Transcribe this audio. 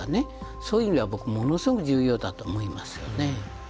そういう意味では僕ものすごく重要だと思いますよね。